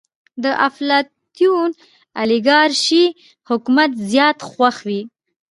د افلاطون اليګارشي حکومت زيات خوښ وي.